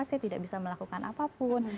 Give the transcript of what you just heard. saya tidak bisa melakukan apapun